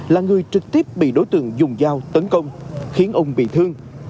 là người trực tiếp bị đối tượng dùng dao tấn công khiến ung bị thương